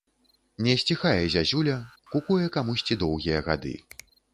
Не сціхае зязюля, кукуе камусьці доўгія гады.